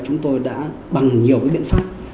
chúng tôi đã bằng nhiều cái biện pháp